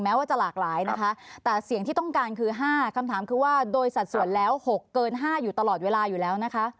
ว่าจะหลากหลายนะคะแต่เสียงที่ต้องการคือ๕คำถามคือว่าโดยสัดส่วนแล้ว๖เกิน๕อยู่ตลอดเวลาอยู่แล้วนะคะ